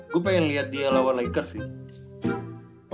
gua pengen liat dia lawan lakers sih